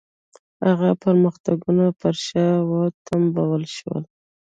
هغه پرمختګونه پر شا وتمبول شول.